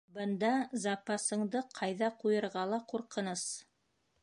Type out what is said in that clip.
Бында запасыңды ҡайҙа ҡуйырға ла ҡурҡыныс...